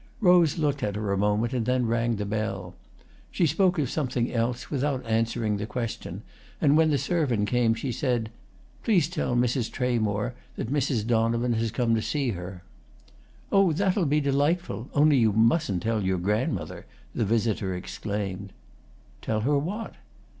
Rose looked at her a moment and then rang the bell. She spoke of something else, without answering the question, and when the servant came she said: "Please tell Mrs. Tramore that Mrs. Donovan has come to see her." "Oh, that'll be delightful; only you mustn't tell your grandmother!" the visitor exclaimed. "Tell her what?"